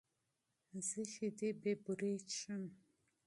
زه شیدې پرته له بوره څښم.